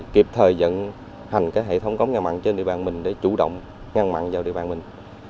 kịp thời dẫn hành hệ thống cống ngăn mặn trên địa bàn mình để chủ động ngăn mặn vào địa bàn mình